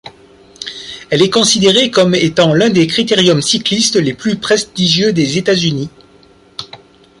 Elle est considérée comme étant l'un des critériums cyclistes les plus prestigieux des États-Unis.